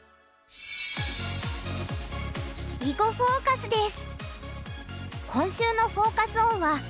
「囲碁フォーカス」です。